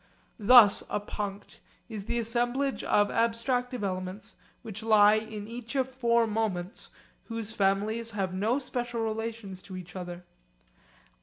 Thus a punct is the assemblage of abstractive elements which lie in each of four moments whose families have no special relations to each other.